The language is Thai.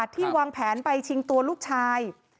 ที่วางแผนไปชิงตัวลูกชาย